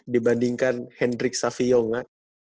dibandingkan hendrik savio nggak